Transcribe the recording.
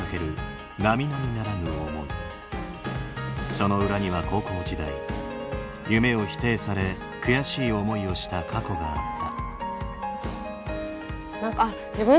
その裏には高校時代夢を否定され悔しい思いをした過去があった。